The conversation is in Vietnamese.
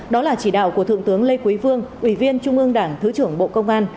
đó là chỉ đạo của thượng tướng lê quý vương ủy viên trung ương đảng thứ trưởng bộ công an